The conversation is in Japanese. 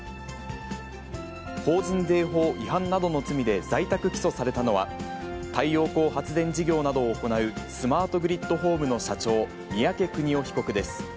法人税法違反などの罪で在宅起訴されたのは、太陽光発電事業などを行うスマートグリッドホームの社長、三宅邦夫被告です。